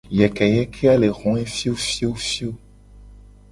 Yekeyeke a le hoe fiofiofio.